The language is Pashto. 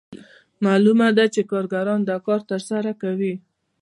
معلومه ده چې کارګران دا کار ترسره کوي